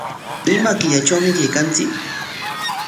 ¿Ima killatrawmi kaykanchik?